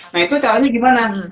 nah itu caranya gimana